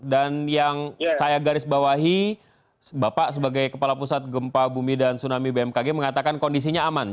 dan yang saya garisbawahi bapak sebagai kepala pusat gempa bumi dan tsunami bmkg mengatakan kondisinya aman